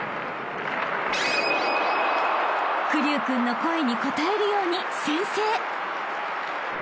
［玖生君の声に応えるように先制］